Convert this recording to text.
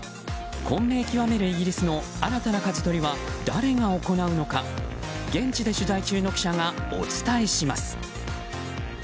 混迷極めるイギリスの新たな舵取りは誰が行うのか現地で取材中の記者がお伝えします。